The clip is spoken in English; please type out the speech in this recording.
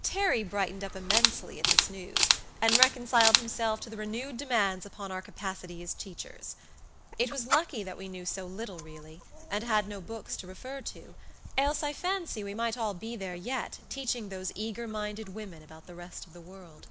Terry brightened up immensely at this news, and reconciled himself to the renewed demands upon our capacity as teachers. It was lucky that we knew so little, really, and had no books to refer to, else, I fancy we might all be there yet, teaching those eager minded women about the rest of the world.